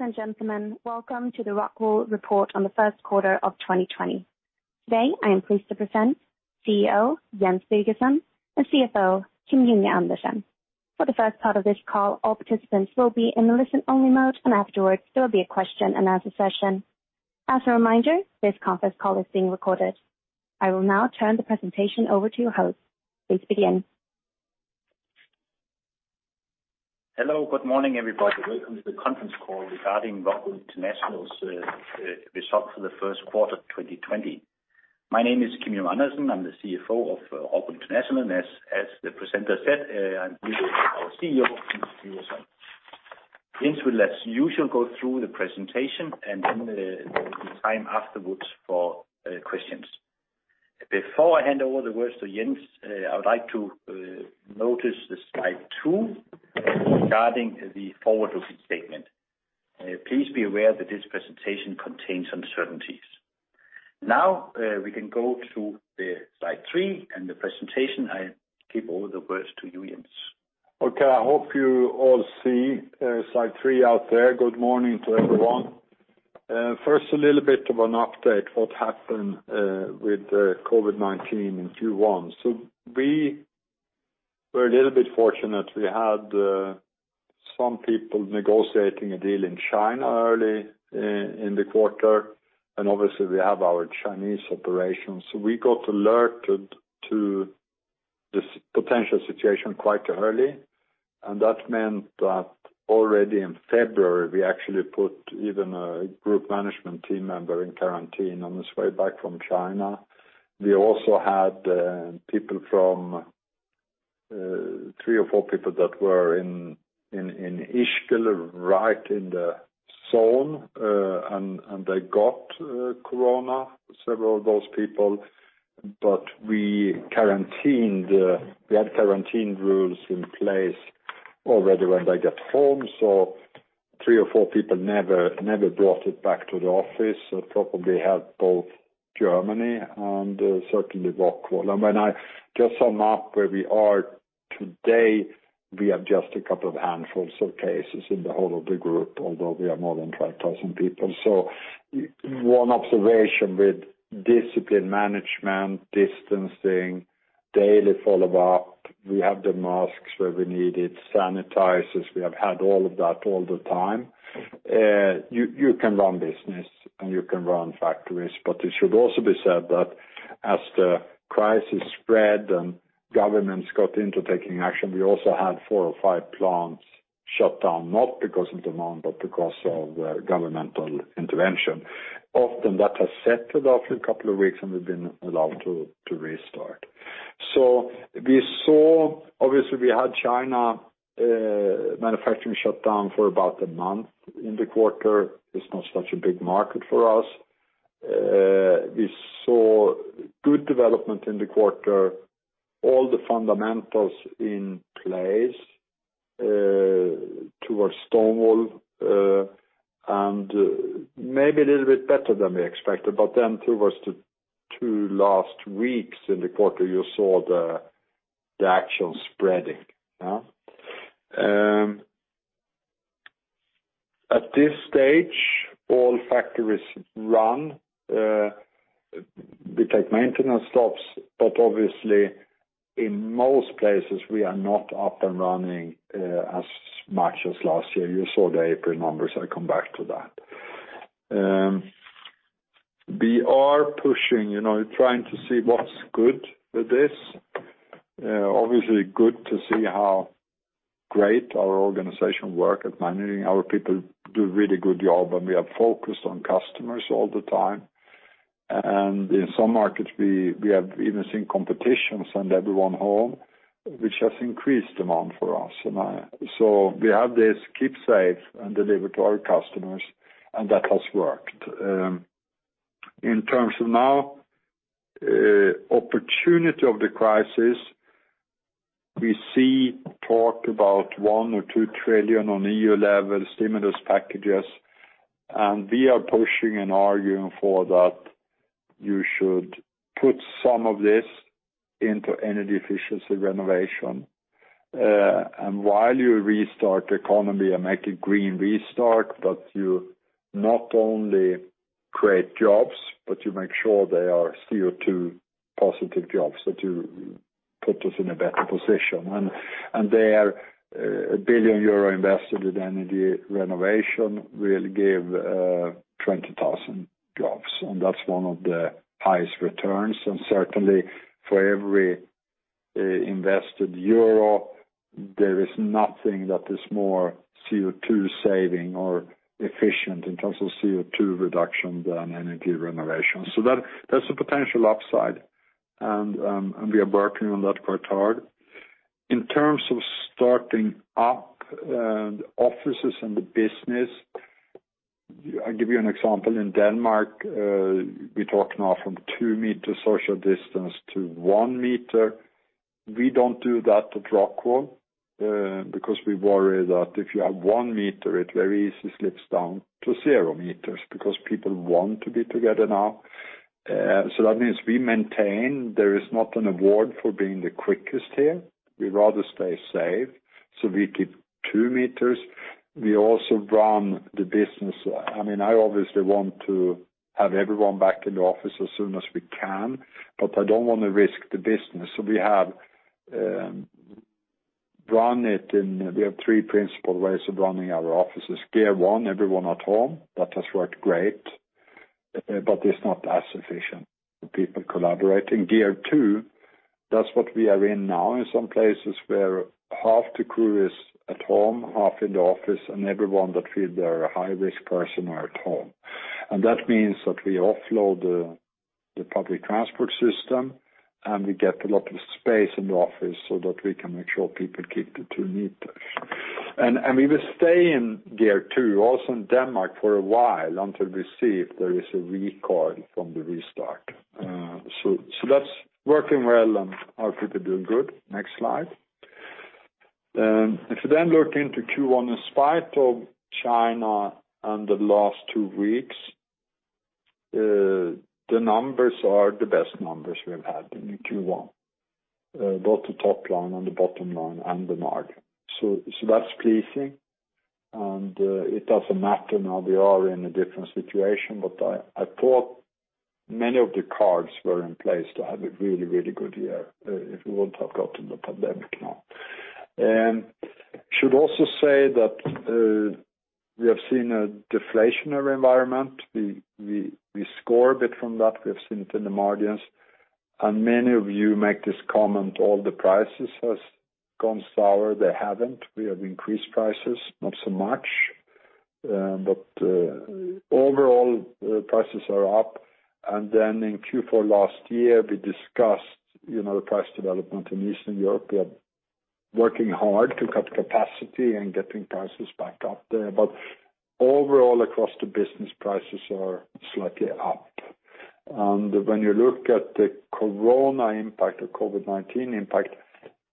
Ladies and gentlemen, welcome to the Rockwool report on the first quarter of 2020. Today, I am pleased to present CEO, Jens Birgersson, and CFO, Kim Junge Andersen. For the first part of this call, all participants will be in listen-only mode, and afterwards, there will be a question and answer session. As a reminder, this conference call is being recorded. I will now turn the presentation over to your host. Please begin. Hello. Good morning, everybody. Welcome to the conference call regarding Rockwool International's result for the first quarter of 2020. My name is Kim Junge Andersen. I'm the CFO of Rockwool International. As the presenter said, I'm with our CEO, Jens Birgersson. Jens will, as usual, go through the presentation. Then there will be time afterwards for questions. Before I hand over the words to Jens, I would like to notice the slide two regarding the forward-looking statement. Please be aware that this presentation contains uncertainties. We can go to slide three and the presentation. I give over the words to you, Jens. Okay. I hope you all see slide three out there. Good morning to everyone. First, a little bit of an update, what happened with COVID-19 in Q1. We were a little bit fortunate. We had some people negotiating a deal in China early in the quarter, and obviously, we have our Chinese operations. We got alerted to this potential situation quite early, and that meant that already in February, we actually put even a group management team member in quarantine on his way back from China. We also had three or four people that were in Ischgl, right in the zone, and they got corona, several of those people. We had quarantine rules in place already when they got home. Three or four people never brought it back to the office. It probably helped both Germany and certainly Rockwool. When I just sum up where we are today, we have just a couple of handfuls of cases in the whole of the group, although we are more than 5,000 people. One observation with discipline management, distancing, daily follow-up. We have the masks where we need it, sanitizers. We have had all of that all the time. You can run business and you can run factories, but it should also be said that as the crisis spread and governments got into taking action, we also had four or five plants shut down, not because of demand, but because of governmental intervention. Often, that has settled after a couple of weeks, and we've been allowed to restart. Obviously, we had China manufacturing shut down for about a month in the quarter. It's not such a big market for us. We saw good development in the quarter, all the fundamentals in place towards stone wool, maybe a little bit better than we expected. Towards the two last weeks in the quarter, you saw the actual spreading. At this stage, all factories run. We take maintenance stops, obviously, in most places, we are not up and running as much as last year. You saw the April numbers. I'll come back to that. We are pushing, trying to see what's good with this. Obviously, good to see how great our organization work at managing. Our people do a really good job, we are focused on customers all the time. In some markets, we have even seen competition send everyone home, which has increased demand for us. We have this keep safe and deliver to our customers, and that has worked. In terms of now, opportunity of the crisis, we see talk about one or two trillion on EU level stimulus packages, and we are pushing and arguing for that you should put some of this into energy efficiency renovation. While you restart the economy and make a green restart, that you not only create jobs, but you make sure they are CO2 positive jobs that you put us in a better position. There, EUR 1 billion invested with energy renovation will give 20,000 jobs, and that's one of the highest returns. Certainly, for every invested euro, there is nothing that is more CO2 saving or efficient in terms of CO2 reduction than energy renovation. That's a potential upside, and we are working on that quite hard. In terms of starting up offices and the business, I'll give you an example. In Denmark, we talk now from two-meter social distance to one meter. We don't do that at Rockwool because we worry that if you have one meter, it very easily slips down to zero meters because people want to be together now. That means we maintain there is not an award for being the quickest here. We'd rather stay safe, so we keep two meters. We also run the business. I obviously want to have everyone back in the office as soon as we can, but I don't want to risk the business. We have three principal ways of running our offices. Gear one, everyone at home. That has worked great, but it's not as efficient for people collaborating. Gear 2, that's what we are in now in some places where half the crew is at home, half in the office, and everyone that we feel they're a high-risk person are at home. That means that we offload the public transport system, and we get a lot of space in the office so that we can make sure people keep the 2 meters. We will stay in gear 2, also in Denmark, for a while until we see if there is a recoil from the restart. That's working well and our people are doing good. Next slide. If you look into Q1, in spite of China and the last two weeks, the numbers are the best numbers we've had in the Q1, both the top line and the bottom line and the margin. That's pleasing, and it doesn't matter now we are in a different situation, but I thought many of the cards were in place to have a really good year, if we won't talk about the pandemic now. Should also say that we have seen a deflationary environment. We score a bit from that. We have seen it in the margins. Many of you make this comment, all the prices has gone sour. They haven't. We have increased prices, not so much. Overall, prices are up. In Q4 last year, we discussed the price development in Eastern Europe. We are working hard to cut capacity and getting prices back up there. Overall, across the business, prices are slightly up. When you look at the corona impact or COVID-19 impact,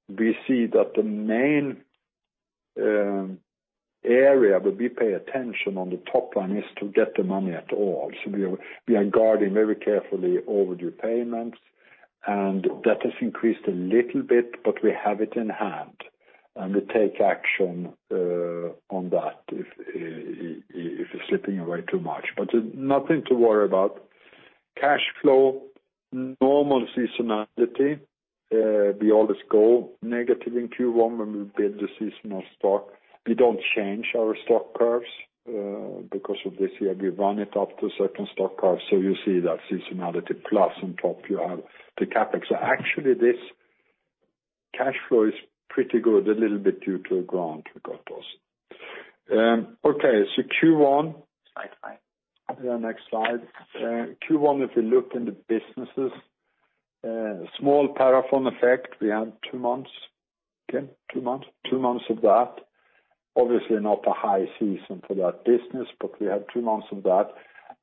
we see that the main area where we pay attention on the top line is to get the money at all. We are guarding very carefully overdue payments, and that has increased a little bit, but we have it in hand, and we take action on that if it's slipping away too much. Nothing to worry about. Cash flow, normal seasonality. We always go negative in Q1 when we build the seasonal stock. We don't change our stock curves because of this year. We run it up to a certain stock curve, you see that seasonality plus on top you have the CapEx. Actually this cash flow is pretty good, a little bit due to a grant we got also. Okay. Q1. Slide five. Yeah, next slide. Q1, if you look in the businesses, small Parafon effect. We had two months. Okay, two months of that. Obviously not a high season for that business. We had two months of that.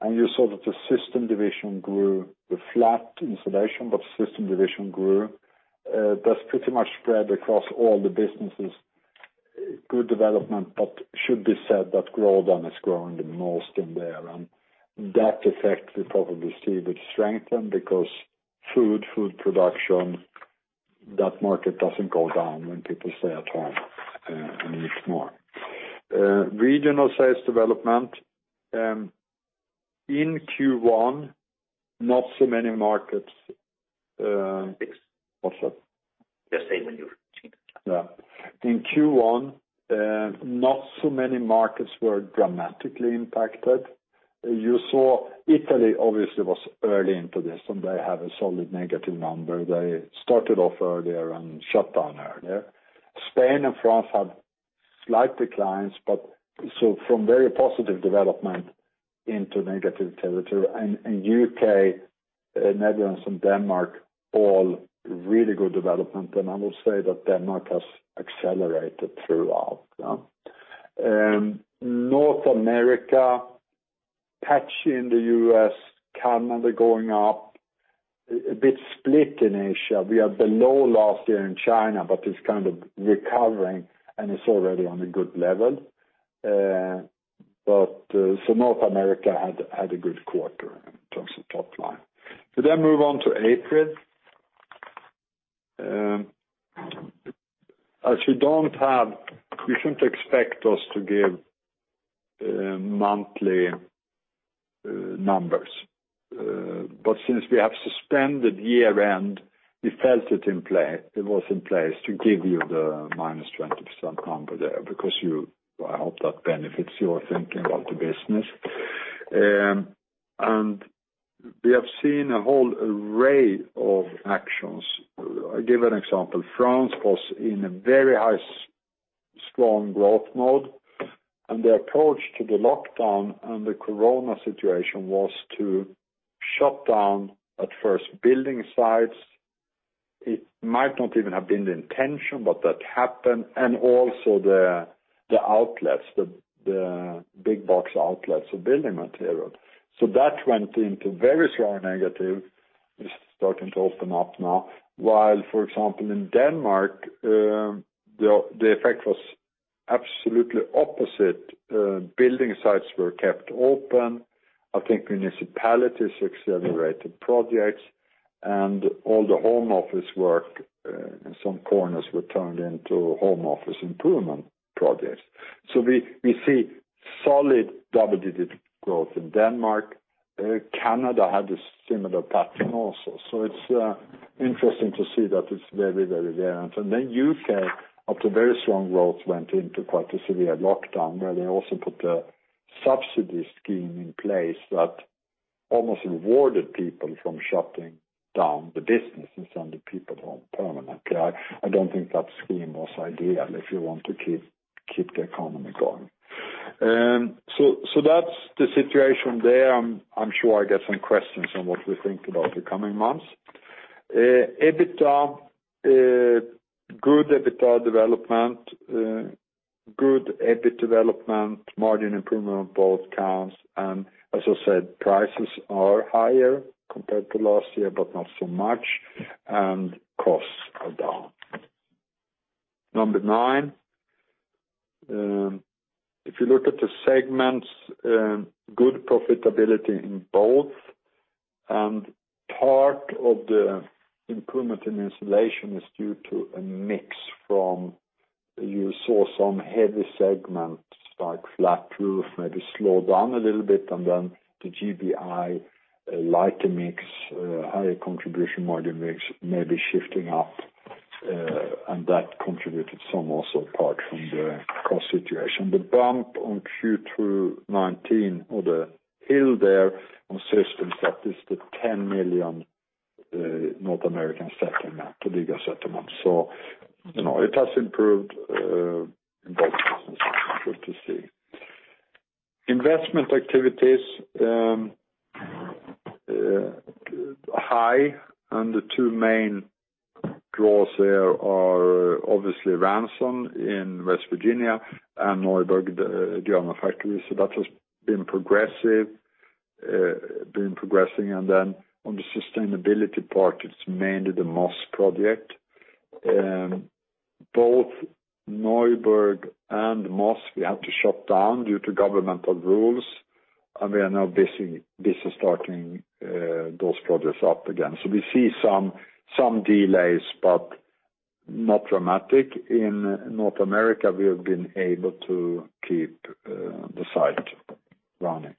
You saw that the system division grew with flat insulation. System division grew. That's pretty much spread across all the businesses. Good development. Should be said that Grodan has grown the most in there. That effect we probably see would strengthen because food production, that market doesn't go down when people stay at home and eat more. Regional sales development. In Q1, not so many markets. Six. What's that? Just saying when you. Yeah. In Q1, not so many markets were dramatically impacted. You saw Italy obviously was early into this, they have a solid negative number. They started off earlier and shut down earlier. Spain and France had slight declines, from very positive development into negative territory. U.K., Netherlands, and Denmark, all really good development. I will say that Denmark has accelerated throughout. North America, patchy in the U.S., Canada going up, a bit split in Asia. We are below last year in China, it's kind of recovering and it's already on a good level. North America had a good quarter in terms of top line. We move on to April. As you shouldn't expect us to give monthly numbers. Since we have suspended year-end, we felt it was in place to give you the -20% number there, because I hope that benefits your thinking of the business. We have seen a whole array of actions. I give an example. France was in a very high, strong growth mode, and the approach to the lockdown and the corona situation was to shut down, at first, building sites. It might not even have been the intention, but that happened. Also the outlets, the big box outlets of building material. That went into very strong negative. Starting to open up now. While, for example, in Denmark, the effect was absolutely opposite. Building sites were kept open. I think municipalities accelerated projects, and all the home office work in some corners were turned into home office improvement projects. We see solid double-digit growth in Denmark. Canada had a similar pattern also. It's interesting to see that it's very variant. Then U.K., after very strong growth, went into quite a severe lockdown, where they also put a subsidy scheme in place that almost rewarded people from shutting down the businesses and the people home permanently. I don't think that scheme was ideal if you want to keep the economy going. That's the situation there. I'm sure I'll get some questions on what we think about the coming months. EBITDA, good EBITDA development, good EBIT development, margin improvement on both counts, and as I said, prices are higher compared to last year, but not so much, and costs are down. Number nine, if you look at the segments, good profitability in both, and part of the improvement in insulation is due to a mix from you saw some heavy segments like flat roof maybe slow down a little bit, and then the GBI lighter mix, higher contribution margin mix maybe shifting up, and that contributed some also apart from the cost situation. The bump on Q2 2019 or the hill there on systems, that is the 10 million North American settlement, the legal settlement. It has improved in both instances, good to see. Investment activities high, and the two main draws there are obviously Ranson in West Virginia and Neuburg, the German factory. That has been progressing. Then on the sustainability part, it's mainly the Moss project. Both Neuburg and Moss, we had to shut down due to governmental rules. We are now busy starting those projects up again. We see some delays, but not dramatic. In North America, we have been able to keep the site running.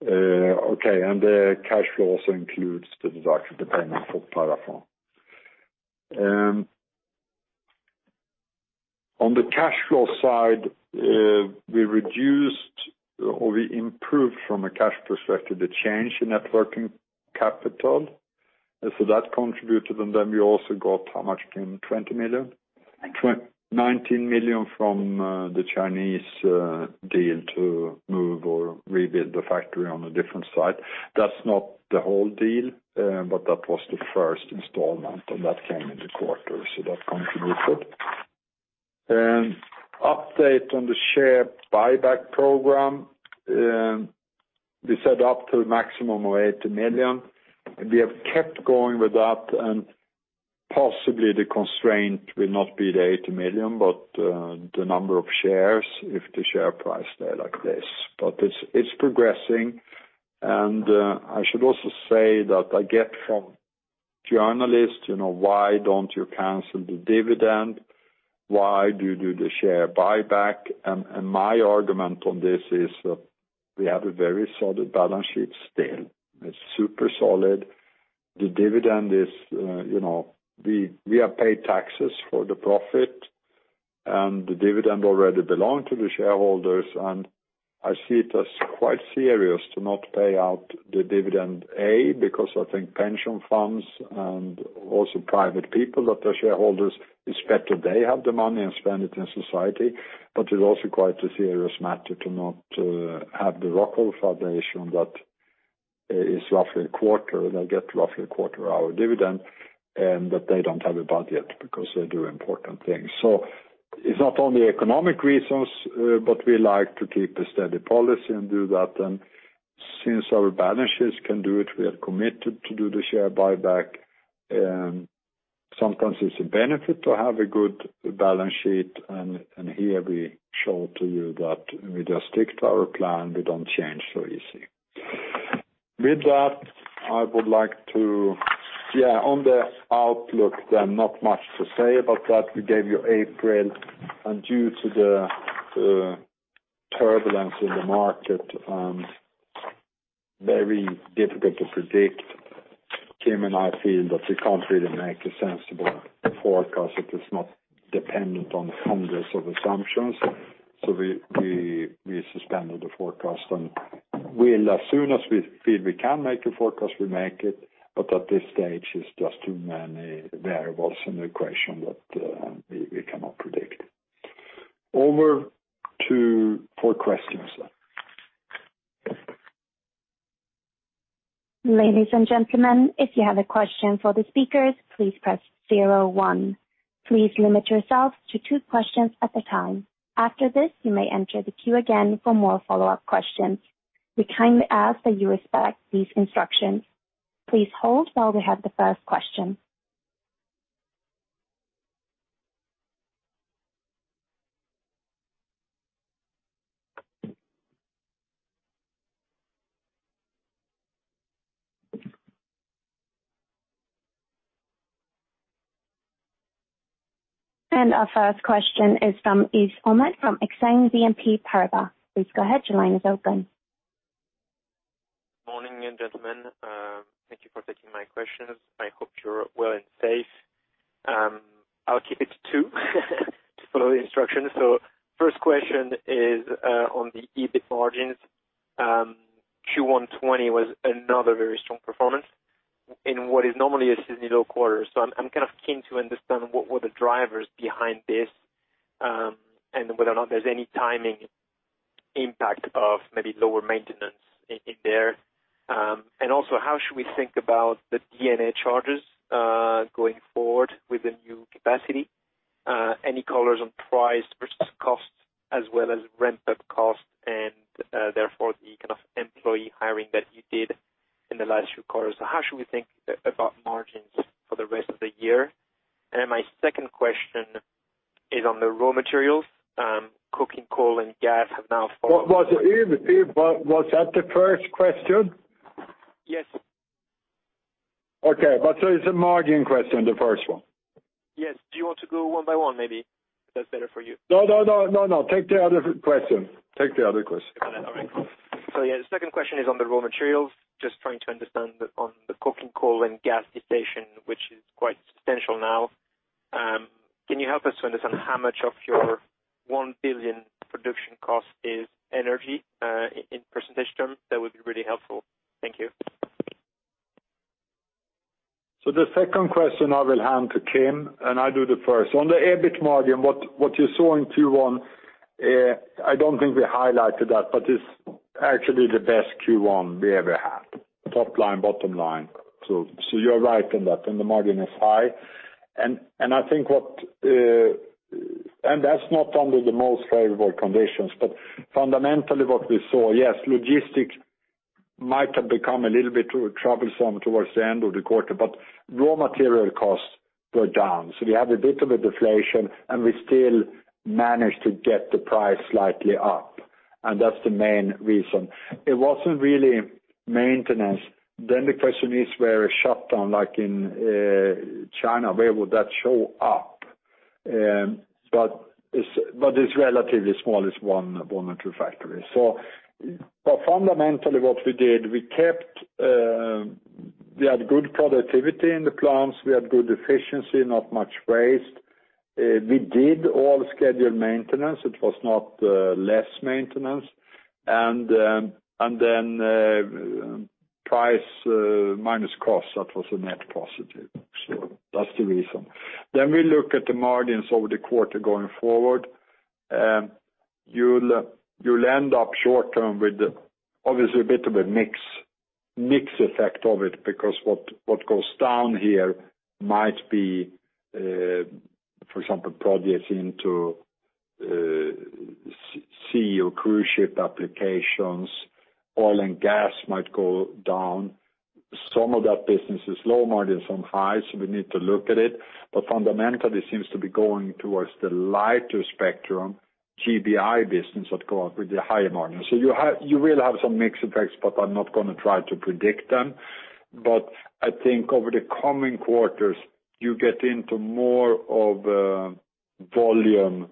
The cash flow also includes the deduction payment for Parafon. On the cash flow side, we reduced or we improved from a cash perspective, the change in net working capital. That contributed. We also got how much, Kim, 20 million? 19. 19 million from the Chinese deal to move or rebuild the factory on a different site. That's not the whole deal, but that was the first installment, and that came in the quarter, so that contributed. Update on the share buyback program. We set up to a maximum of 80 million. We have kept going with that, and possibly the constraint will not be the 80 million, but the number of shares if the share price stay like this. It's progressing, and I should also say that I get from journalists, why don't you cancel the dividend? Why do you do the share buyback? My argument on this is we have a very solid balance sheet still. It's super solid. We have paid taxes for the profit, and the dividend already belong to the shareholders, and I see it as quite serious to not pay out the dividend, A, because I think pension funds and also private people that are shareholders expect that they have the money and spend it in society. It's also quite a serious matter to not have the Rockwool Foundation that is roughly a quarter. They get roughly a quarter our dividend, and that they don't have a budget because they do important things. It's not only economic reasons, but we like to keep a steady policy and do that. Since our balance sheets can do it, we are committed to do the share buyback. Sometimes it's a benefit to have a good balance sheet, and here we show to you that we just stick to our plan. We don't change so easy. With that, on the outlook, there not much to say about that. We gave you April, and due to the turbulence in the market and very difficult to predict, Kim and I feel that we can't really make a sensible forecast if it's not dependent on hundreds of assumptions. We suspended the forecast, and as soon as we feel we can make a forecast, we make it, but at this stage, it's just too many variables in the equation that we cannot predict. Over for questions then. Ladies and gentlemen, if you have a question for the speakers, please press 01. Please limit yourself to two questions at a time. After this, you may enter the queue again for more follow-up questions. We kindly ask that you respect these instructions. Please hold while we have the first question. Our first question is from Yves Bome from Exane BNP Paribas. Please go ahead. Your line is open. Morning gentlemen. Thank you for taking my questions. I hope you're well and safe. I'll keep it to two to follow the instructions. First question is on the EBIT margins. Q1 2020 was another very strong performance in what is normally a seasonally low quarter. I'm keen to understand what were the drivers behind this, and whether or not there's any timing impact of maybe lower maintenance in there. How should we think about the D&A charges, going forward with the new capacity? Any colors on price versus cost as well as ramp-up cost and, therefore the kind of employee hiring that you did in the last few quarters. How should we think about margins for the rest of the year? My second question is on the raw materials. Coking coal and gas have now fallen- Was that the first question? Yes. Okay. It's a margin question, the first one? Yes. Do you want to go one by one, maybe? If that's better for you. No, no, take the other question. All right. Yeah, the second question is on the raw materials. Just trying to understand on the coking coal and gas deflation, which is quite substantial now. Can you help us to understand how much of your 1 billion production cost is energy, in percentage terms? That would be really helpful. Thank you. The second question I will hand to Kim, and I will do the first. On the EBIT margin, what you saw in Q1, I don't think we highlighted that, but it's actually the best Q1 we ever had. Top line, bottom line. You're right in that, and the margin is high. That's not under the most favorable conditions, but fundamentally what we saw, yes, logistics might have become a little bit troublesome towards the end of the quarter, but raw material costs were down. We have a bit of a deflation, and we still managed to get the price slightly up, and that's the main reason. It wasn't really maintenance. The question is where a shutdown like in China, where would that show up? It's relatively small, it's one or two factories. Fundamentally what we did, we had good productivity in the plants, we had good efficiency, not much waste. We did all scheduled maintenance. It was not less maintenance, price minus cost, that was a net positive. That's the reason. We look at the margins over the quarter going forward. You'll end up short-term with obviously a bit of a mix effect of it because what goes down here might be, for example, projects into sea or cruise ship applications, oil and gas might go down. Some of that business is low margin, some high, we need to look at it. Fundamentally, it seems to be going towards the lighter spectrum, GBI business that go up with the higher margin. You will have some mix effects, but I'm not going to try to predict them. I think over the coming quarters, you get into more of volume.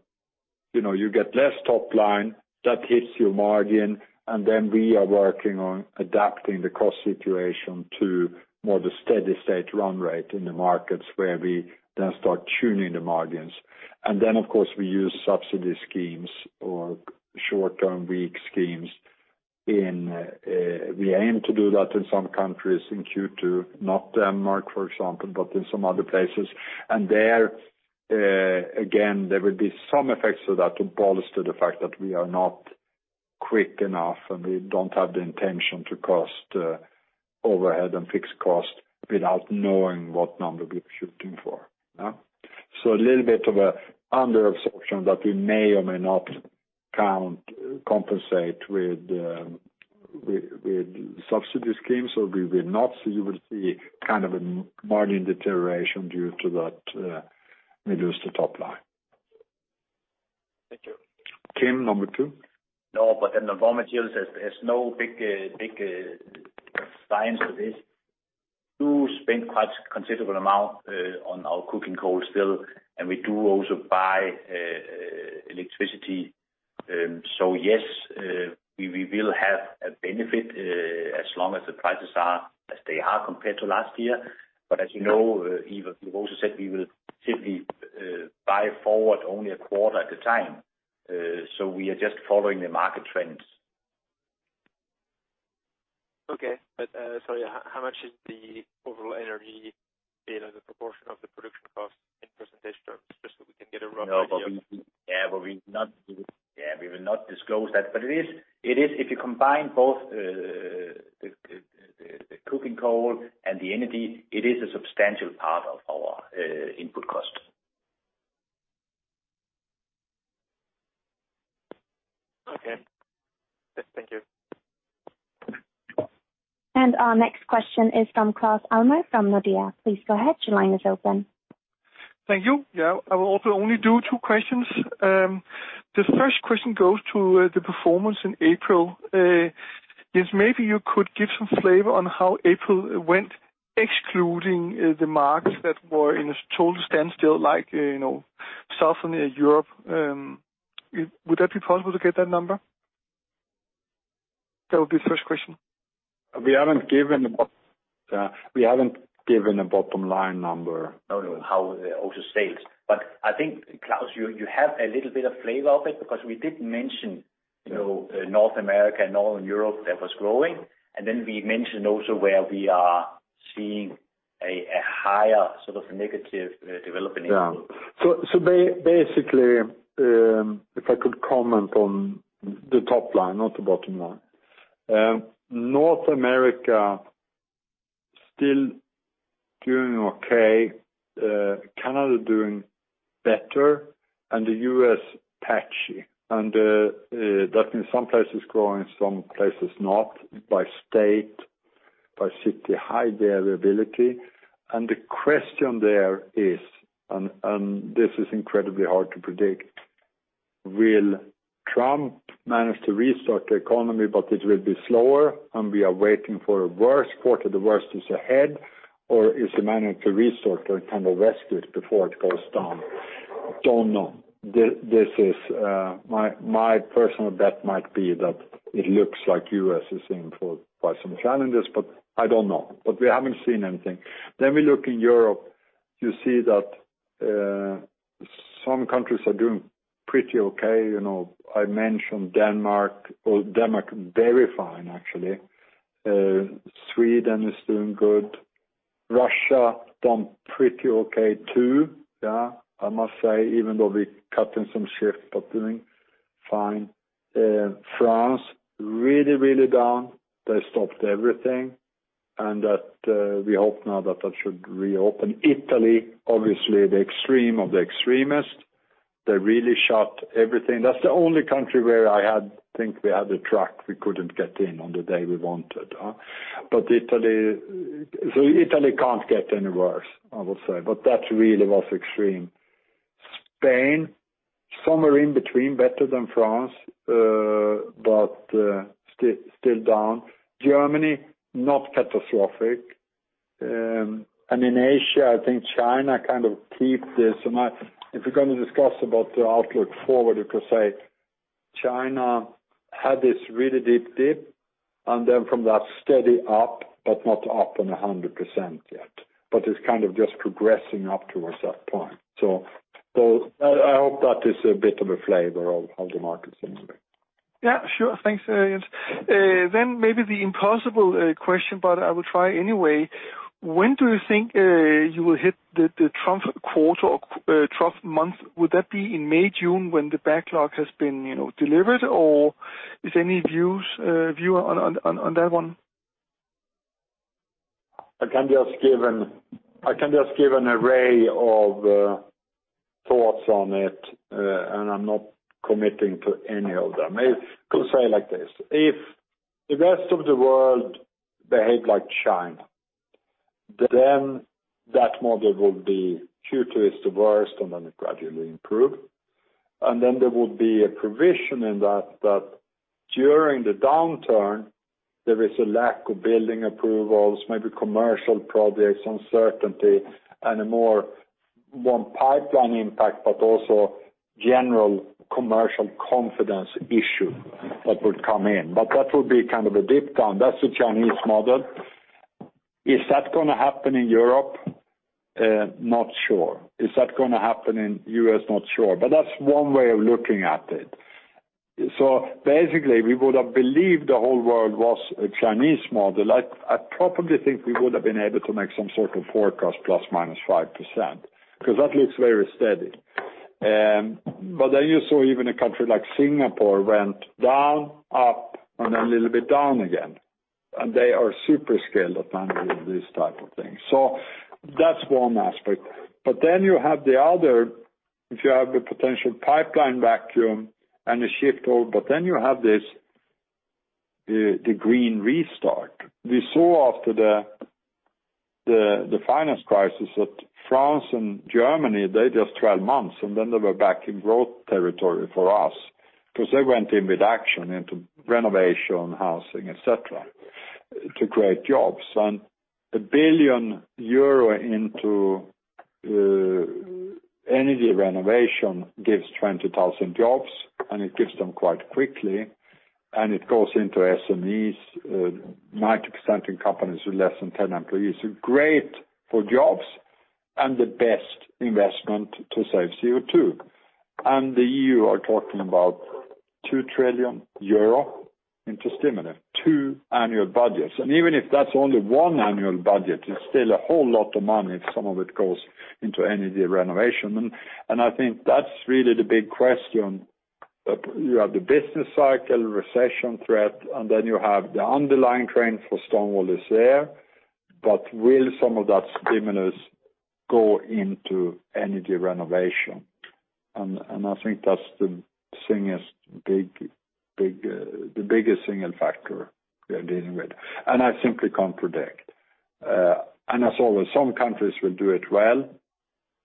You get less top line, that hits your margin. We are working on adapting the cost situation to more the steady state run rate in the markets where we then start tuning the margins. Of course, we use subsidy schemes or short-time work schemes. We aim to do that in some countries in Q2, not Denmark, for example, but in some other places. There, again, there will be some effects of that to bolster the fact that we are not quick enough and we don't have the intention to cost overhead and fixed cost without knowing what number we're shooting for. A little bit of an underabsorption that we may or may not compensate with subsidy schemes, or we will not. You will see a margin deterioration due to that reduced top line. Thank you. Kim, number 2? The raw materials, there's no big science to this. Do spend quite considerable amount on our coking coal still, and we do also buy electricity. Yes, we will have a benefit, as long as the prices are as they are compared to last year. As you know, Yves, you've also said we will simply buy forward only a quarter at a time. We are just following the market trends. Okay. sorry, how much is the overall energy bill as a proportion of the production cost in percentage terms, just so we can get a rough idea? No, but we will not disclose that. If you combine both the coking coal and the energy, it is a substantial part of our input cost. Okay. Yes, thank you. Our next question is from Claus Almer from Nordea. Please go ahead. Your line is open. Thank you. Yeah, I will also only do two questions. The first question goes to the performance in April. Is maybe you could give some flavor on how April went, excluding the markets that were in a total standstill, like Southern Europe. Would that be possible to get that number? That would be the first question. We haven't given a bottom-line number. No, how also sales. I think, Claus, you have a little bit of flavor of it because we did mention North America and Northern Europe that was growing, we mentioned also where we are seeing a higher sort of negative development input. Yeah. Basically, if I could comment on the top line, not the bottom line. North America, still doing okay. Canada doing better and the U.S. patchy. That means some places growing, some places not, by state, by city, high variability. The question there is, and this is incredibly hard to predict, will Trump manage to restart the economy, but it will be slower, and we are waiting for a worse quarter, the worst is ahead? Is he managing to restart or kind of rescue it before it goes down? Don't know. My personal bet might be that it looks like U.S. is in for quite some challenges, but I don't know. We haven't seen anything. We look in Europe, you see that some countries are doing pretty okay. I mentioned Denmark. Well, Denmark, very fine actually. Sweden is doing good. Russia done pretty okay too. Yeah. I must say, even though we cutting some shift, but doing fine. France, really, really down. They stopped everything, and that we hope now that that should reopen. Italy, obviously the extreme of the extremist. They really shut everything. That's the only country where I think we had a truck we couldn't get in on the day we wanted. Italy can't get any worse, I will say. That really was extreme. Spain, somewhere in between, better than France, but still down. Germany, not catastrophic. In Asia, I think China kind of keep this. If we're going to discuss about the outlook forward, you could say China had this really deep dip, and then from that steady up, but not up in 100% yet. It's kind of just progressing up towards that point. I hope that is a bit of a flavor of how the market's moving. Yeah, sure. Thanks, Jens. Maybe the impossible question, but I will try anyway. When do you think you will hit the top quarter or top month? Would that be in May, June when the backlog has been delivered? Is there any view on that one? I can just give an array of thoughts on it, and I'm not committing to any of them. Maybe could say it like this, if the rest of the world behave like China, then that model will be Q2 is the worst, and then it gradually improve. Then there will be a provision in that during the downturn, there is a lack of building approvals, maybe commercial projects, uncertainty, and a more [long] pipeline impact, but also general commercial confidence issue that would come in. That would be kind of a deep down. That's the Chinese model. Is that going to happen in Europe? Not sure. Is that going to happen in U.S.? Not sure. That's one way of looking at it. Basically, we would have believed the whole world was a Chinese model. I probably think we would have been able to make some sort of forecast plus minus 5%, because that looks very steady. You saw even a country like Singapore went down, up, and then a little bit down again. They are super skilled at handling these type of things. That's one aspect. You have the other, if you have the potential pipeline vacuum and the shift hold, but then you have this, the green restart. We saw after the finance crisis that France and Germany, they just 12 months, and then they were back in growth territory for us, because they went in with action into renovation, housing, et cetera, to create jobs. 1 billion euro into energy renovation gives 20,000 jobs, and it gives them quite quickly, and it goes into SMEs, 90% in companies with less than 10 employees. Great for jobs and the best investment to save CO2. The EU are talking about 2 trillion euro into stimuli, two annual budgets. Even if that's only one annual budget, it's still a whole lot of money if some of it goes into energy renovation. I think that's really the big question. You have the business cycle recession threat, and then you have the underlying trend for stone wool is there. Will some of that stimulus go into energy renovation? I think that's the biggest single factor we are dealing with. I simply can't predict. As always, some countries will do it well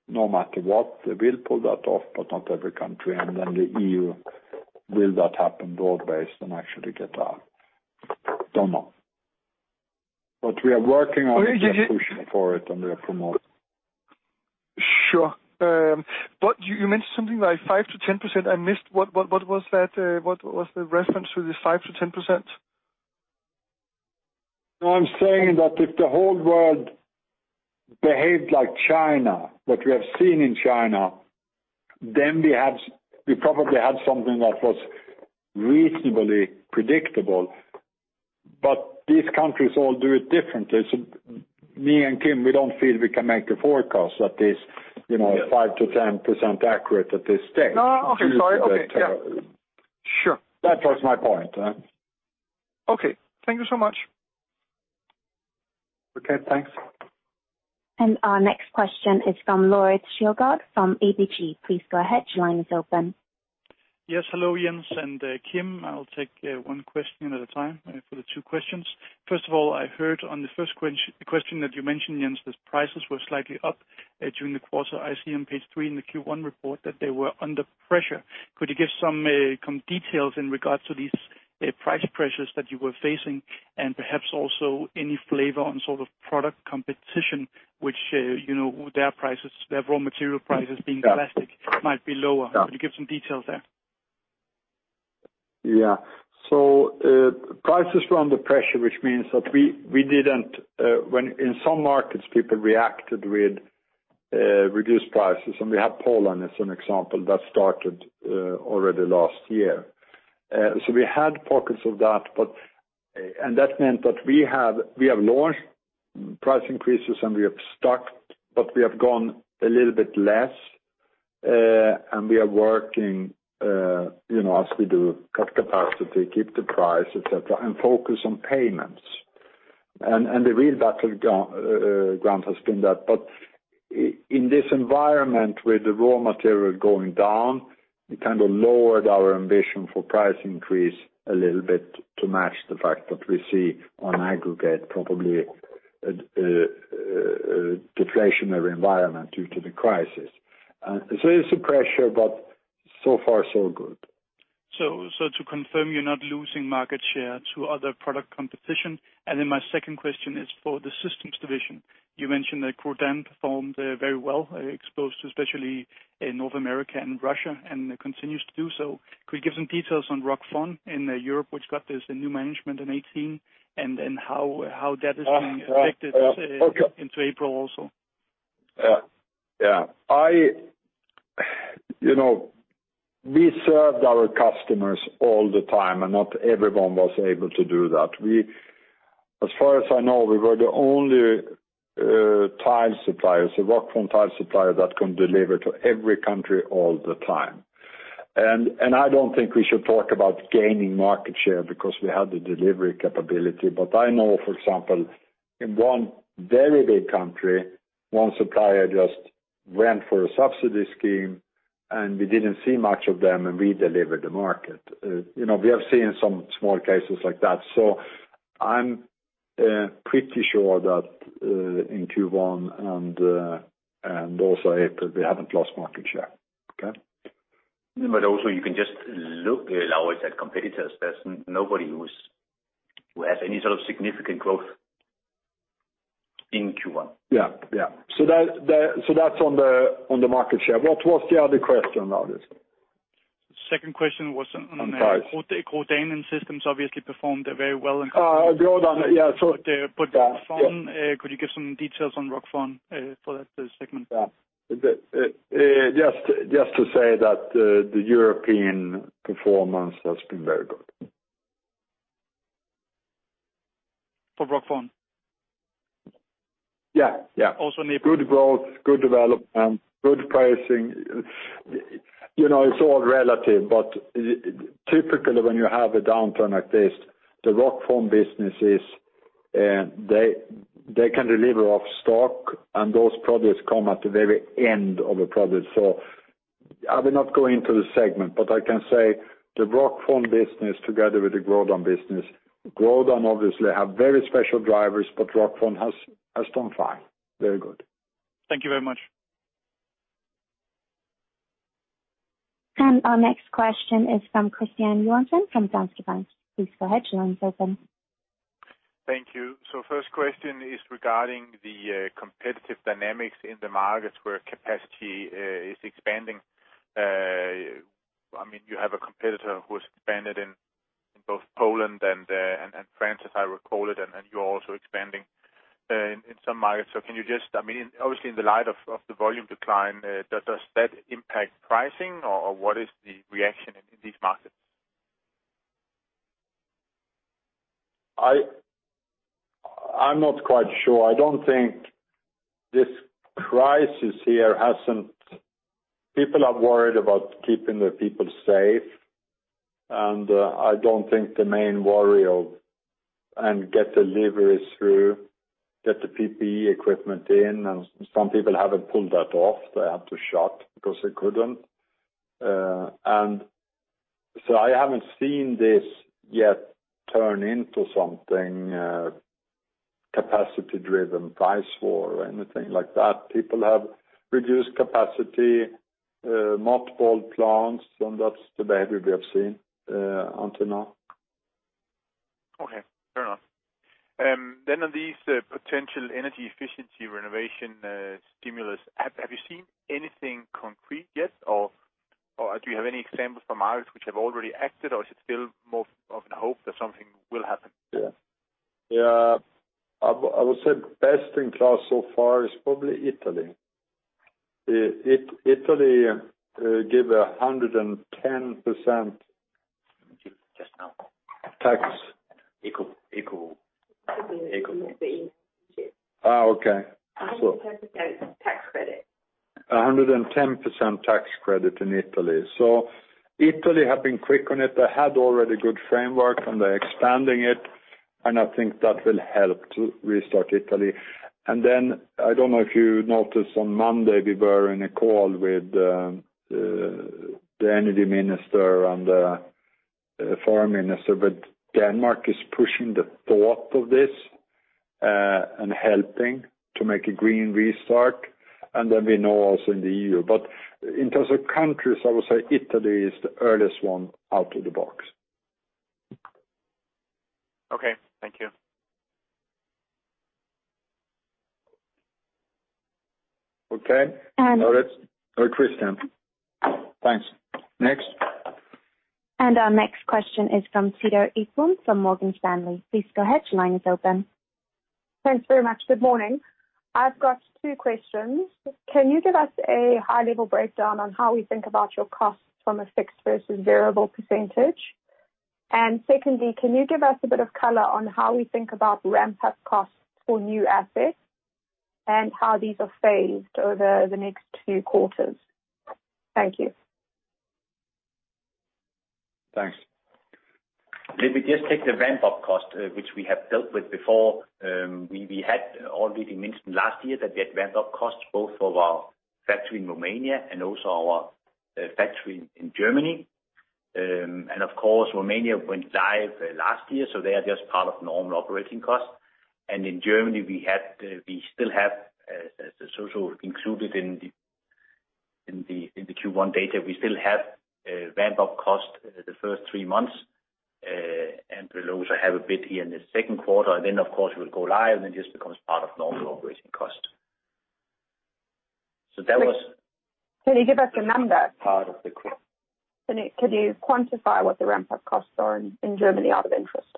no matter what. They will pull that off, but not every country, then the EU, will that happen broad-based and actually get out? Don't know. We are working on it. Yeah. We are pushing for it, and we are promoting. Sure. You mentioned something like 5%-10% I missed. What was the reference to this 5%-10%? I'm saying that if the whole world behaved like China, what we have seen in China, then we probably had something that was reasonably predictable. These countries all do it differently. Me and Kim, we don't feel we can make a forecast at this 5%-10% accurate at this stage. No. Okay. Sorry. Okay. Yeah. Sure. That was my point. Okay. Thank you so much. Okay, thanks. Our next question is from Bård Stole from ABG. Please go ahead. Your line is open. Yes. Hello, Jens and Kim. I'll take one question at a time for the two questions. First of all, I heard on the first question that you mentioned, Jens, those prices were slightly up during the quarter. I see on page three in the Q1 report that they were under pressure. Could you give some details in regards to these price pressures that you were facing and perhaps also any flavor on sort of product competition, which their raw material prices being plastic might be lower. Yeah. Could you give some details there? Yeah. Prices were under pressure, which means that in some markets, people reacted with reduced prices. We have Poland as an example that started already last year. We had pockets of that, and that meant that we have launched price increases, and we have stuck, but we have gone a little bit less. We are working as we do, cut capacity, keep the price, et cetera, and focus on payments. The real battle ground has been that, but in this environment with the raw material going down, we kind of lowered our ambition for price increase a little bit to match the fact that we see on aggregate probably a deflationary environment due to the crisis. It's a pressure, but so far so good. To confirm, you're not losing market share to other product competition. My second question is for the systems division. You mentioned that Grodan performed very well exposed to, especially in North America and Russia, and continues to do so. Could you give some details on Rockfon in Europe, which got this new management in 2018, and how that is being affected? Okay into April also? Yeah. We served our customers all the time, and not everyone was able to do that. As far as I know, we were the only tile suppliers, the Rockfon tile supplier that can deliver to every country all the time. I don't think we should talk about gaining market share because we had the delivery capability. I know, for example, in one very big country, one supplier just went for a subsidy scheme, and we didn't see much of them, and we delivered the market. We have seen some small cases like that, so I'm pretty sure that in Q1 and also April, we haven't lost market share. Okay? Also you can just look always at competitors. There's nobody who has any sort of significant growth in Q1. Yeah. That's on the market share. What was the other question now? Second question was on- Sorry Grodan and systems obviously performed very well in- Grodan. Yeah. Rockfon, could you give some details on Rockfon for that segment? Yeah. Just to say that the European performance has been very good. For Rockfon? Yeah. Also in the- Good growth, good development, good pricing. It's all relative, but typically when you have a downturn like this, the Rockfon businesses, they can deliver off stock, and those products come at the very end of a product. I will not go into the segment, but I can say the Rockfon business together with the Grodan business, Grodan obviously have very special drivers, but Rockfon has done fine. Very good. Thank you very much. Our next question is from Christian Johansson from Danske Bank. Please go ahead. Your line's open. Thank you. First question is regarding the competitive dynamics in the markets where capacity is expanding. You have a competitor who's expanded in both Poland and France, as I recall it, and you're also expanding in some markets. Obviously, in the light of the volume decline, does that impact pricing, or what is the reaction in these markets? I'm not quite sure. I don't think this crisis here hasn't People are worried about keeping their people safe, and I don't think the main worry of get deliveries through, get the PPE equipment in, and some people haven't pulled that off. They had to shut because they couldn't. I haven't seen this yet turn into something capacity-driven price war or anything like that. People have reduced capacity, multiple plants, and that's the behavior we have seen until now. Okay, fair enough. On these potential energy efficiency renovation stimulus, have you seen anything concrete yet? Do you have any examples from markets which have already acted, or is it still more of a hope that something will happen? Yeah. I would say best in class so far is probably Italy. Italy give 110%. Just now. Tax. Ecobonus. Could be. Oh, okay. 110% tax credit. 110% tax credit in Italy. Italy have been quick on it. They had already good framework, and they're expanding it, and I think that will help to restart Italy. I don't know if you noticed on Monday, we were in a call with the energy minister and the foreign minister, but Denmark is pushing the thought of this, and helping to make a green restart. We know also in the EU. In terms of countries, I would say Italy is the earliest one out of the box. Okay. Thank you. Okay. And- Got it. Christian. Thanks. Next. Our next question is from Tito Etlam from Morgan Stanley. Please go ahead, your line is open. Thanks very much. Good morning. I've got two questions. Can you give us a high-level breakdown on how we think about your costs from a fixed versus variable percentage? Secondly, can you give us a bit of color on how we think about ramp-up costs for new assets, and how these are phased over the next two quarters? Thank you. Thanks. Let me just take the ramp-up cost, which we have dealt with before. We had already mentioned last year that we had ramp-up costs both for our factory in Romania and also our factory in Germany. Of course, Romania went live last year, so they are just part of normal operating costs. In Germany, we still have, as also included in the Q1 data, we still have a ramp-up cost the first three months, and we will also have a bit in the second quarter. Then, of course, we will go live, and it just becomes part of normal operating cost. Can you give us a number? Part of the- Can you quantify what the ramp-up costs are in Germany out of interest?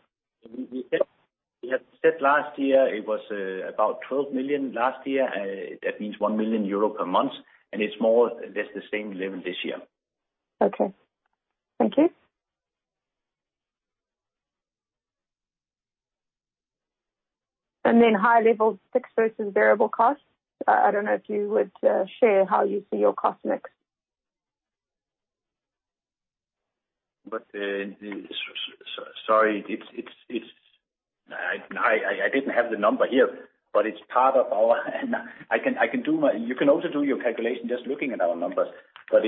We had said last year it was about 12 million last year. That means 1 million euro per month. It's more or less the same level this year. Okay. Thank you. High level fixed versus variable costs, I don't know if you would share how you see your costs next? Sorry, I didn't have the number here, but it's part of our. You can also do your calculation just looking at our numbers, but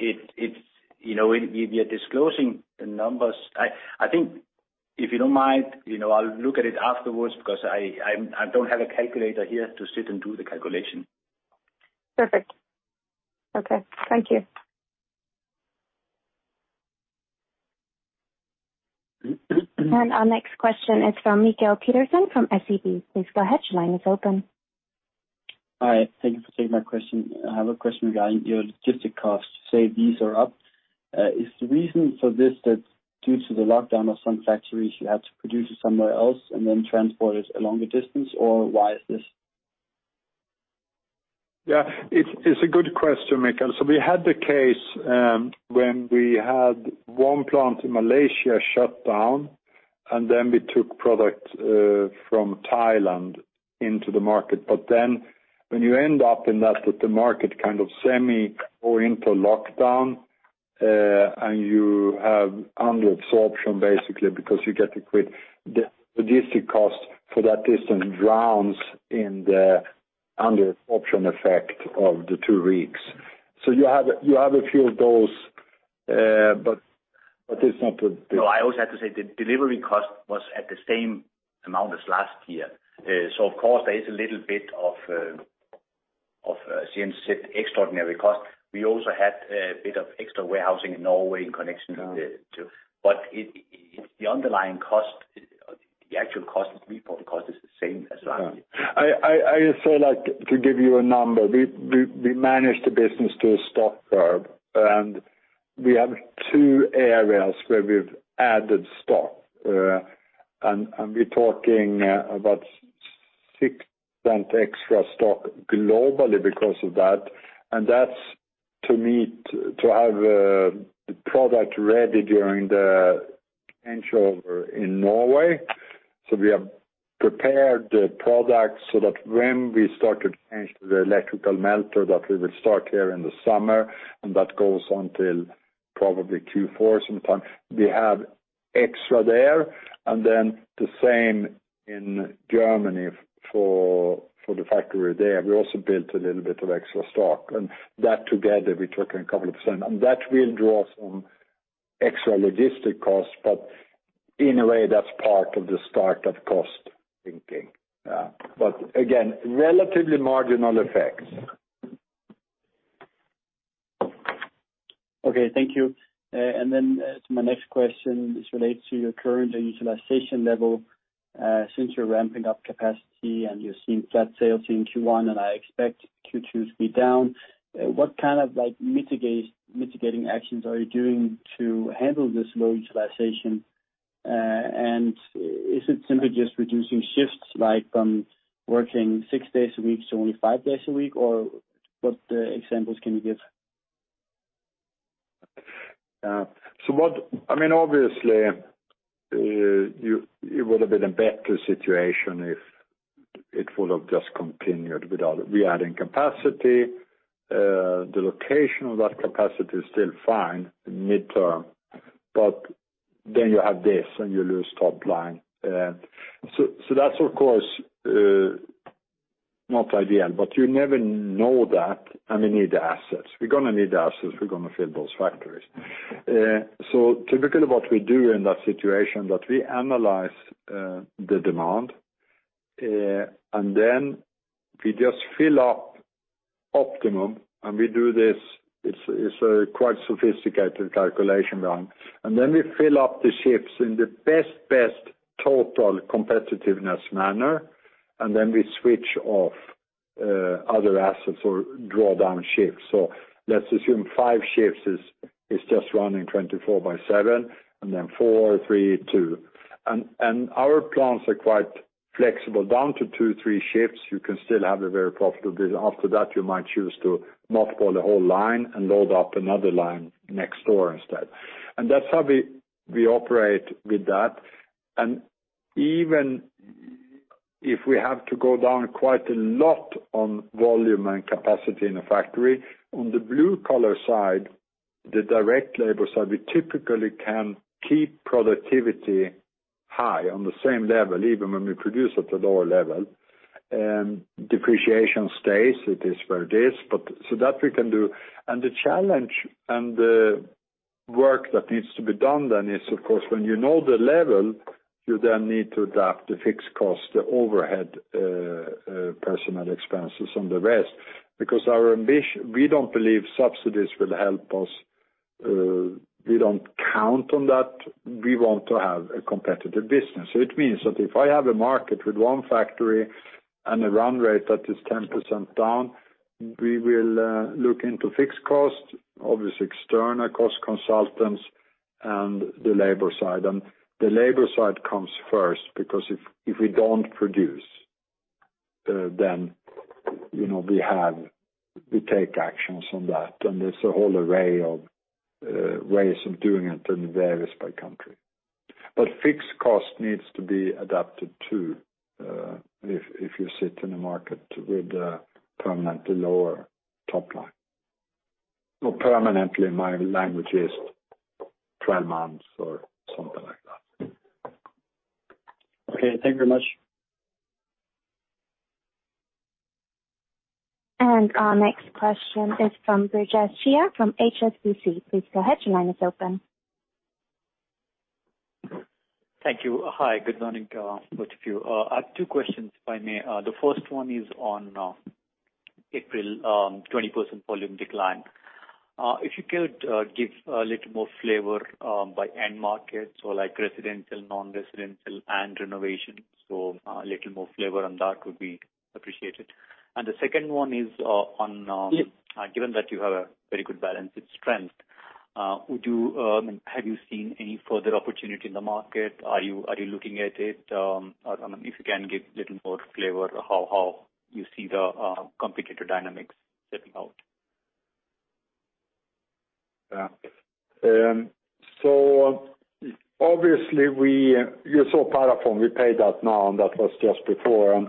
we are disclosing the numbers. I think if you don't mind, I'll look at it afterwards because I don't have a calculator here to sit and do the calculation. Perfect. Okay. Thank you. Our next question is from Michael Peterson from SEB. Please go ahead. Your line is open. Hi. Thank you for taking my question. I have a question regarding your logistic costs. You say these are up. Is the reason for this that due to the lockdown of some factories, you had to produce it somewhere else and then transport it a longer distance, or why is this? It's a good question, Michael. We had the case, when we had one plant in Malaysia shut down, and we took product from Thailand into the market. When you end up in that the market kind of semi or into lockdown, and you have under absorption, basically because you [get to quit] the logistic cost for that distance drowns in the under absorption effect of the two weeks. You have a few of those. I also have to say the delivery cost was at the same amount as last year. Of course, there is a little bit of extraordinary cost. We also had a bit of extra warehousing in Norway in connection with the two. The underlying cost, the actual cost, the reported cost is the same as last year. I also like to give you a number. We managed the business to a stock curve. We have two areas where we've added stock. We're talking about 6% extra stock globally because of that. That's to have the product ready during the changeover in Norway. We have prepared the product so that when we start to change the electrical melter, that we will start here in the summer, and that goes on till probably Q4 sometime. We have extra there. The same in Germany for the factory there. We also built a little bit of extra stock, and that together, we're talking a couple of %, and that will draw some extra logistic costs, but in a way, that's part of the start-up cost thinking. Again, relatively marginal effects. Okay. Thank you. To my next question, this relates to your current utilization level. Since you are ramping up capacity and you are seeing flat sales in Q1, and I expect Q2 to be down, what kind of mitigating actions are you doing to handle this low utilization? Is it simply just reducing shifts, like from working six days a week to only five days a week? Or what examples can you give? Obviously, it would have been a better situation if it would have just continued without re-adding capacity. The location of that capacity is still fine midterm, but then you have this, and you lose top line. That's, of course, not ideal, but you never know that, and we need the assets. We're going to need the assets. We're going to fill those factories. Typically what we do in that situation, that we analyze the demand, and then we just fill up optimum, and we do this, it's a quite sophisticated calculation run. Then we fill up the shifts in the best total competitiveness manner, and then we switch off other assets or draw down shifts. Let's assume 5 shifts is just running 24/7, and then 4, 3, 2. Our plants are quite flexible, down to two, three shifts, you can still have a very profitable business. After that, you might choose to mothball the whole line and load up another line next door instead. That's how we operate with that. Even if we have to go down quite a lot on volume and capacity in a factory, on the blue-collar side, the direct labor side, we typically can keep productivity high on the same level, even when we produce at a lower level. Depreciation stays, it is where it is. That we can do. The challenge and the work that needs to be done then is, of course, when you know the level, you then need to adapt the fixed cost, the overhead personal expenses and the rest, because we don't believe subsidies will help us. We don't count on that. We want to have a competitive business. It means that if I have a market with one factory and a run rate that is 10% down, we will look into fixed cost, obviously external cost consultants, and the labor side. The labor side comes first, because if we don't produce, then we take actions on that, and there's a whole array of ways of doing it, and it varies by country. Fixed cost needs to be adapted too, if you sit in a market with a permanently lower top line. Well, permanently, my language is 12 months or something like that. Okay. Thank you very much. Our next question is from Brijesh Siya from HSBC. Please go ahead, your line is open. Thank you. Hi, good morning to both of you. I have two questions, if I may. The first one is on April 20% volume decline. If you could give a little more flavor by end market, so like residential, non-residential, and renovation. A little more flavor on that would be appreciated. The second one is on- Yeah Given that you have a very good balance sheet strength, have you seen any further opportunity in the market? Are you looking at it? If you can give a little more flavor on how you see the competitor dynamics shaping out? Yeah. Obviously, you saw Parafon, we paid that now, and that was just before.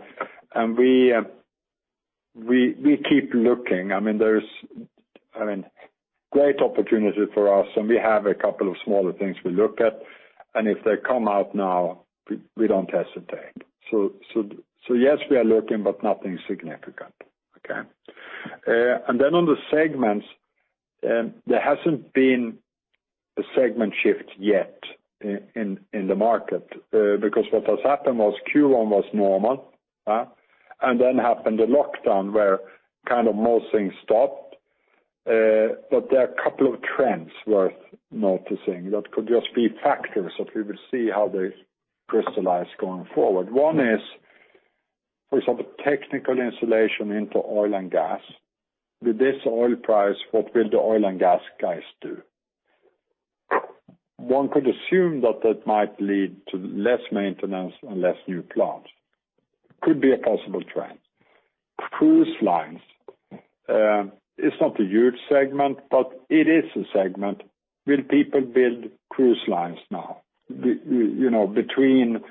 We keep looking. There's great opportunity for us, and we have a couple of smaller things we look at, and if they come out now, we don't hesitate. Yes, we are looking, but nothing significant. Okay? On the segments, there hasn't been a segment shift yet in the market. What has happened was Q1 was normal. Happened the lockdown, where most things stopped. There are a couple of trends worth noticing that could just be factors, that we will see how they crystallize going forward. One is, for example, technical insulation into oil and gas. With this oil price, what will the oil and gas guys do? One could assume that that might lead to less maintenance and less new plants. Could be a possible trend. Cruise lines, it's not a huge segment, but it is a segment. Will people build cruise lines now? Between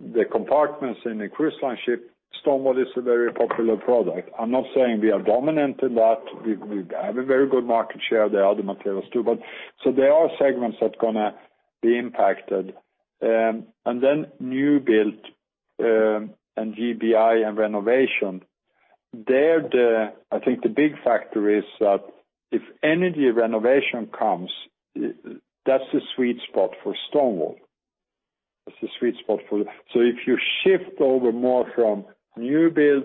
the compartments in a cruise line ship, stone wool is a very popular product. I'm not saying we are dominant in that. We have a very good market share. There are other materials, too. There are segments that are going to be impacted. New build and GBI and renovation, there, I think the big factor is that if energy renovation comes, that's the sweet spot for stone wool. If you shift over more from new build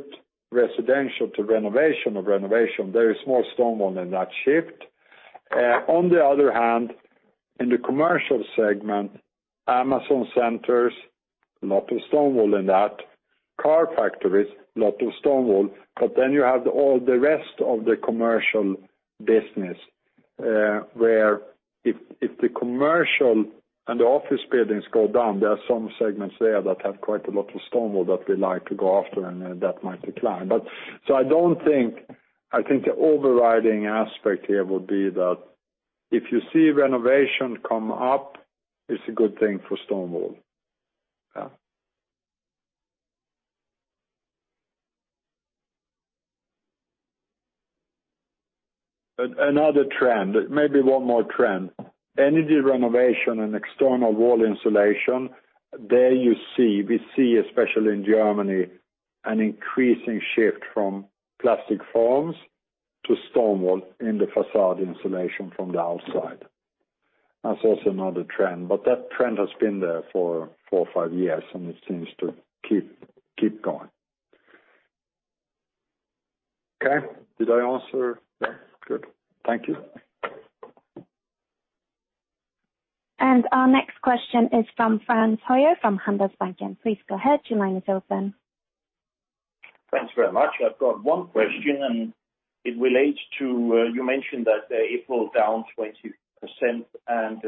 residential to renovation of renovation, there is more stone wool in that shift. On the other hand, in the commercial segment, Amazon centers, lot of stone wool in that. Car factories, lot of stone wool. You have all the rest of the commercial business, where if the commercial and office buildings go down, there are some segments there that have quite a lot of stone wool that we like to go after, and that might decline. I think the overriding aspect here would be that if you see renovation come up, it's a good thing for stone wool. Yeah. Another trend, maybe one more trend. Energy renovation and external wall insulation, there we see, especially in Germany, an increasing shift from plastic foams to stone wool in the facade insulation from the outside. That's also another trend, but that trend has been there for four or five years, and it seems to keep going. Okay. Did I answer? Yeah. Good. Thank you. Our next question is from Frans Hoyer, from Handelsbanken. Please go ahead, your line is open. Thanks very much. I've got one question, and it relates to, you mentioned that April down 20%, and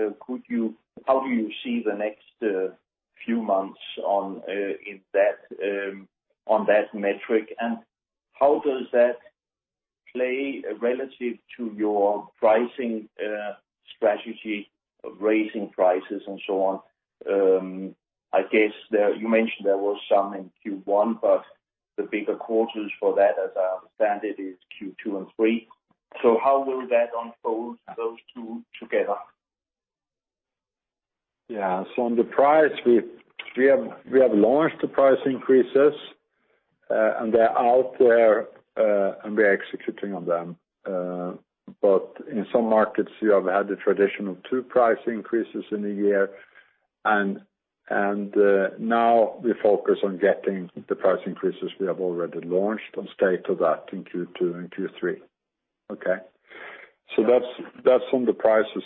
how do you see the next few months on that metric, and how does that play relative to your pricing strategy of raising prices and so on? I guess you mentioned there was some in Q1, but the bigger quarters for that, as I understand it, is Q2 and Q3. How will that unfold, those two together? On the price, we have launched the price increases, and they're out there, and we're executing on them. In some markets, you have had the traditional two price increases in a year, and now we focus on getting the price increases we have already launched and stay to that in Q2 and Q3. Okay. That's on the prices.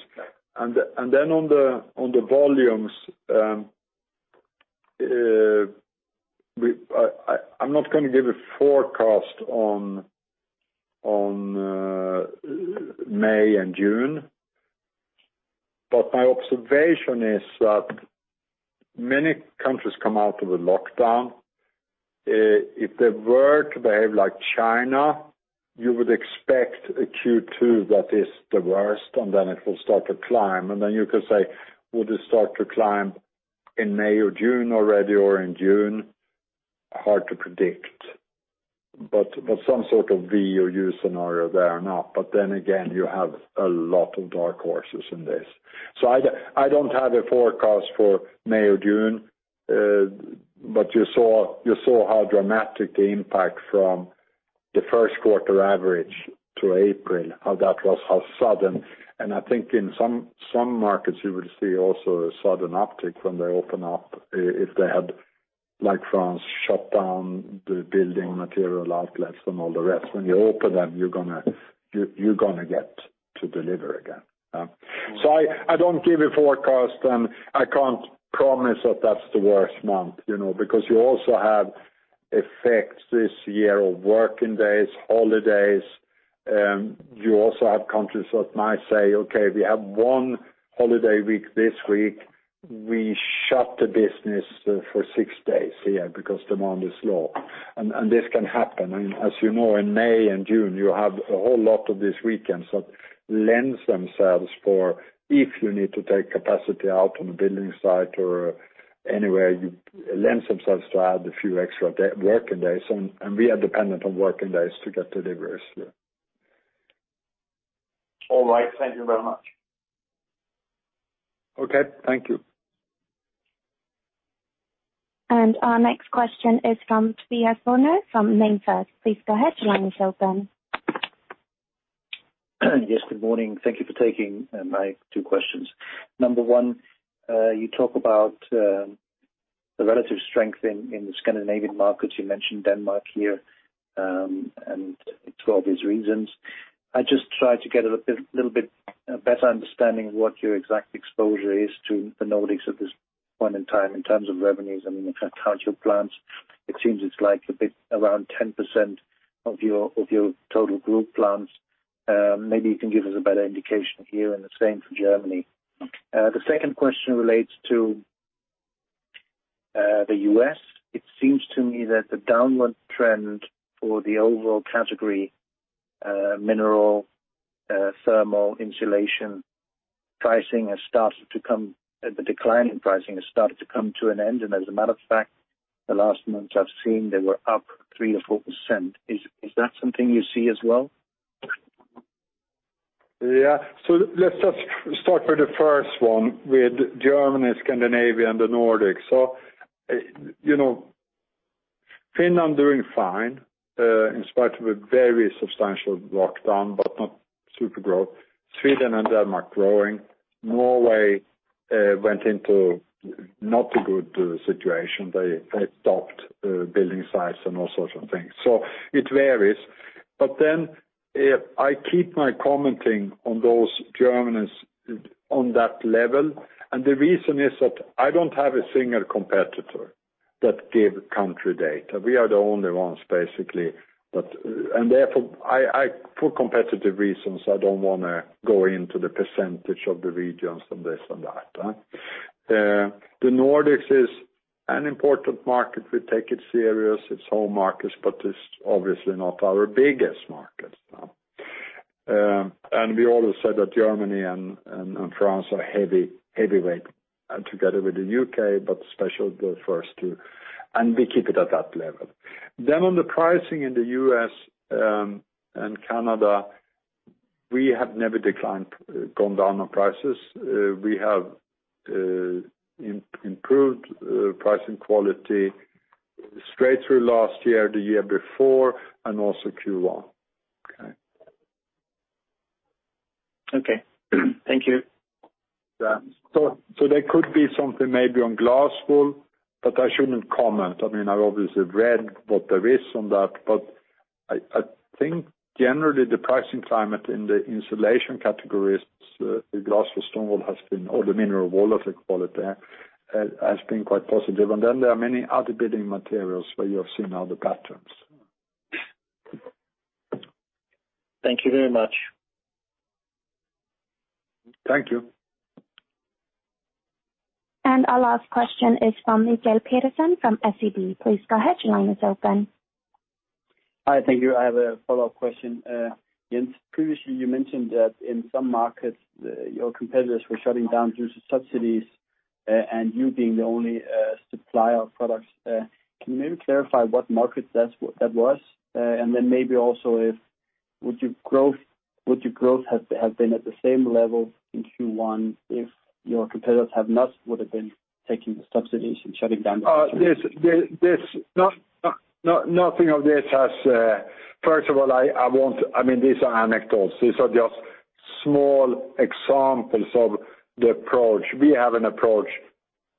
On the volumes, I'm not going to give a forecast on May and June, but my observation is that many countries come out of the lockdown. If they were to behave like China, you would expect a Q2 that is the worst, and then it will start to climb. You could say, would it start to climb in May or June already or in June? Hard to predict, but some sort of V or U scenario there now. You have a lot of dark horses in this. I don't have a forecast for May or June, but you saw how dramatic the impact from the first quarter average to April, how that was, how sudden, and I think in some markets, you will see also a sudden uptick when they open up if they had, like France, shut down the building material outlets and all the rest. When you open them, you're going to get to deliver again. I don't give a forecast, and I can't promise that that's the worst month, because you also have effects this year of working days, holidays. You also have countries that might say, "Okay, we have one holiday week this week. We shut the business for six days here because demand is low." This can happen. As you know, in May and June, you have a whole lot of these weekends that lend themselves for if you need to take capacity out on the building site or anywhere, lend themselves to add a few extra working days, and we are dependent on working days to get deliveries. Yeah. All right. Thank you very much. Okay. Thank you. Our next question is from Tobias Turner from MainFirst. Please go ahead. Your line is open. Yes, good morning. Thank you for taking my two questions. Number one, you talk about the relative strength in the Scandinavian markets. You mentioned Denmark here, and for obvious reasons. I just try to get a little bit better understanding of what your exact exposure is to the Nordics at this point in time in terms of revenues. If I count your plants, it seems it's like a bit around 10% of your total group plants. Maybe you can give us a better indication here, and the same for Germany. The second question relates to the U.S. It seems to me that the downward trend for the overall category, mineral, thermal insulation pricing, the decline in pricing has started to come to an end, and as a matter of fact, the last month I've seen, they were up 3%-4%. Is that something you see as well? Let's just start with the first one, with Germany, Scandinavia, and the Nordics. Finland doing fine, in spite of a very substantial lockdown, but not super growth. Sweden and Denmark growing. Norway went into not a good situation. They stopped building sites and all sorts of things. It varies. I keep my commenting on those Germans on that level, and the reason is that I don't have a single competitor that give country data. We are the only ones, basically. For competitive reasons, I don't want to go into the percentage of the regions and this and that. The Nordics is an important market. We take it serious. It's home market, but it's obviously not our biggest market. We always said that Germany and France are heavyweight, and together with the U.K., but especially the first two, and we keep it at that level. On the pricing in the U.S. and Canada, we have never declined, gone down on prices. We have improved pricing quality straight through last year, the year before, and also Q1. Okay? Okay. Thank you. Yeah. There could be something maybe on glass wool, but I shouldn't comment. I've obviously read what there is on that, but I think generally the pricing climate in the insulation categories, the glass or stone wool, all the mineral wool I call it, has been quite positive. There are many other building materials where you have seen other patterns. Thank you very much. Thank you. Our last question is from Miguel Pedersen from SEB. Please go ahead, your line is open. Hi. Thank you. I have a follow-up question. Jens, previously you mentioned that in some markets, your competitors were shutting down due to subsidies, and you being the only supplier of products. Can you maybe clarify what market that was? Then maybe also would your growth have been at the same level in Q1 if your competitors would've been taking the subsidies and shutting down? First of all, these are anecdotes. These are just small examples of the approach. We have an approach.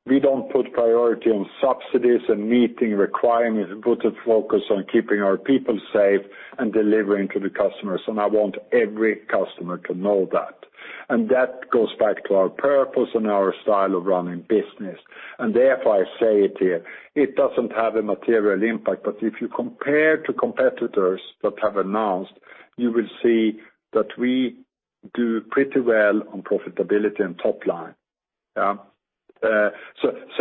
We don't put priority on subsidies and meeting requirements. We put the focus on keeping our people safe and delivering to the customers, and I want every customer to know that. That goes back to our purpose and our style of running business. Therefore, I say it here, it doesn't have a material impact. If you compare to competitors that have announced, you will see that we do pretty well on profitability and top line. Yeah.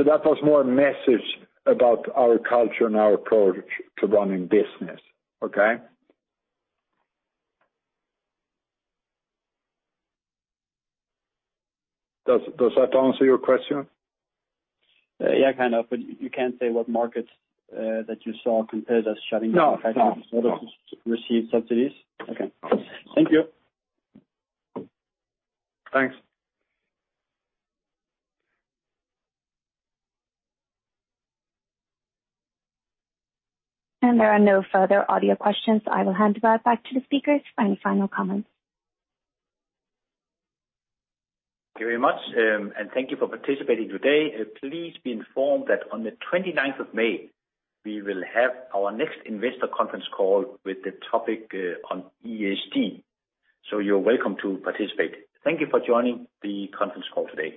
That was more a message about our culture and our approach to running business. Okay? Does that answer your question? Yeah, kind of. You can't say what markets that you saw competitors shutting down. No received subsidies? Okay. Thank you. Thanks. There are no further audio questions. I will hand it back to the speakers for any final comments. Thank you very much. Thank you for participating today. Please be informed that on the 29th of May, we will have our next investor conference call with the topic on ESG. You're welcome to participate. Thank you for joining the conference call today.